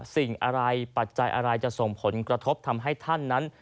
สิ่งอะไรปัจจัยอะไรจะส่งผลกระทบทำให้ท่านนั้น